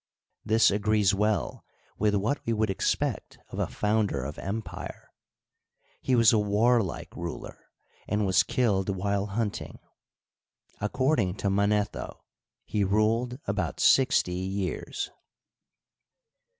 This agrees well with what we would expect of a founder of empire — he was a warlike ruler, and was killed while hunting. According to Manetho. he ruled about sixty years.